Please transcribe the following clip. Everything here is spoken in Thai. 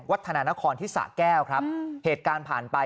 ธนานครที่สะแก้วครับเหตุการณ์ผ่านไป